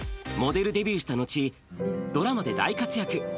モデルデビューしたのち、ドラマで大活躍。